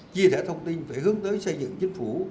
chia sẻ thông tin phải hướng tới xây dựng chính phủ